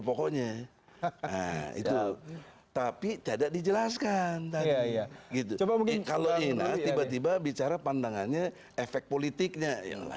pokoknya itu tapi tidak dijelaskan ya gitu kalau tiba tiba bicara pandangannya efek politiknya